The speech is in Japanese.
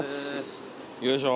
よいしょー。